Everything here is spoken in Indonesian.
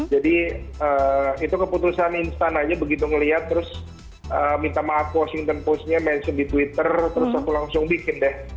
jadi itu keputusan instan aja begitu ngelihat terus minta maaf washington post nya mention di twitter terus aku langsung bikin deh